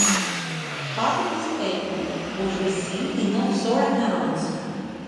Part of this payment was received in offshore accounts.